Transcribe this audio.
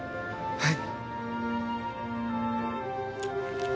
はい。